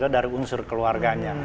dari unsur keluarganya